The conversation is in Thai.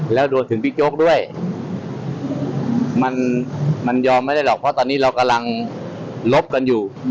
แล้วรวมถึงบิ๊กโจ๊กด้วยมันยอมไม่ได้หรอกเพราะตอนนี้เรากำลังลบกันอยู่